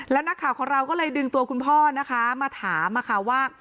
แล้วนักข่าวของเราก็เลยดึงตัวคุณพ่อนะคะมาถามว่า